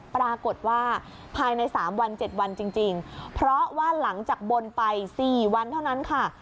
ภายใน๓วัน๗วันจริงเพราะว่าหลังจากบนไป๔วันเท่านั้นค่ะ